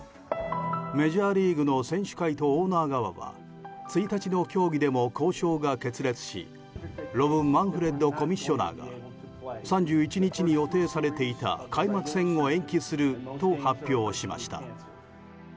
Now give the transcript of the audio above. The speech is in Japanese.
メジャーリーグの選手会とオーナー側は１日の協議でも交渉が決裂しロブ・マンフレッドコミッショナーが３１日に予定されていた開幕戦を延期すると発表しました。